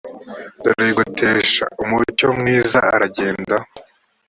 dore yigotesha umucyo mwiza aragenda